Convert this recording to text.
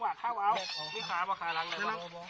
อ่าฮ่าฮ่าพี่ค้าพ่อขายหลังแสง